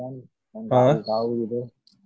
yang ga di tau gitu